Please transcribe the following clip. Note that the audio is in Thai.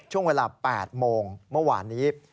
ช่วงเวลา๘โมงเมื่อวานนี้